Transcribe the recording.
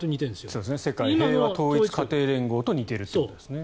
世界平和統一家庭連合と似ているということですね。